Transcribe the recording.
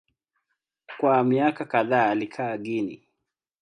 Kwa miaka kadhaa alikaa Guinea.